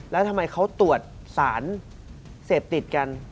แล้วทำไมเขาตรวจสารเสพติดกัน